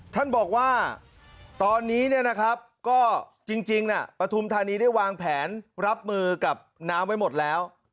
ท่านบอกว่าตอนนี้ก็จริงปฐุมธานีได้วางแผนรับมือกับน้ำไว้หมดแล้ว